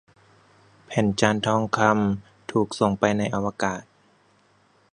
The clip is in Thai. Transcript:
แผ่นจานทองคำ ถูกส่งไปในอวกาศ